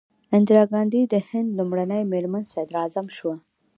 اندرا ګاندي د هند لومړۍ میرمن صدراعظم شوه.